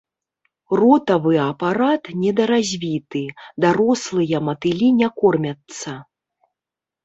Ротавы апарат недаразвіты, дарослыя матылі не кормяцца.